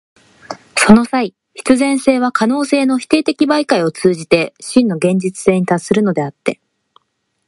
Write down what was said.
その際、必然性は可能性の否定的媒介を通じて真の現実性に達するのであって、